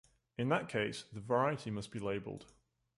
In that case, the variety must be labelled.